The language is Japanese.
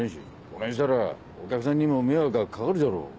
そねぇしたらお客さんにも迷惑が掛かるじゃろ。